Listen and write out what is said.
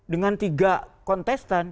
dengan tiga kontestan